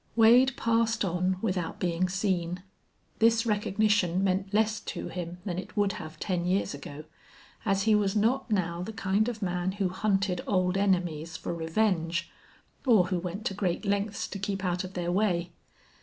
Wade passed on without being seen. This recognition meant less to him than it would have ten years ago, as he was not now the kind of man who hunted old enemies for revenge or who went to great lengths to keep out of their way.